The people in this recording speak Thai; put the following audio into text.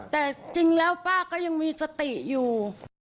แต่จริงแล้วป้าก็ยังมีสติอยู่